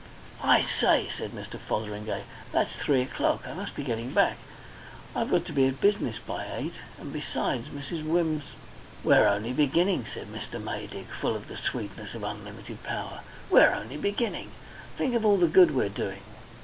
"I say," said Mr. Fotheringay, "that's three o'clock! I must be getting back. I've got to be at business by eight. And besides, Mrs. Wimms " "We're only beginning," said Mr. Maydig, full of the sweetness of unlimited power. "We're only beginning. Think of all the good we're doing.